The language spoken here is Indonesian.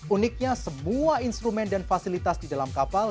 uniknya semua instrumen dan fasilitas di dalam kapal